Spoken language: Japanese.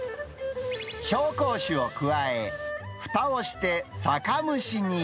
紹興酒を加え、ふたをして酒蒸しに。